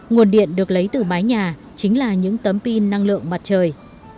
nguồn điện được lấy từ mái nhà chính là những tấm pin năng lượng mặt trời